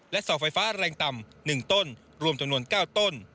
เสาไฟฟ้าแรงต่ำ๑ต้นรวมจำนวน๙ต้น